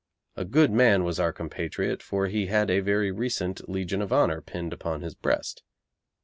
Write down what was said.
A good man was our compatriot, for he had a very recent Legion of Honour pinned upon his breast.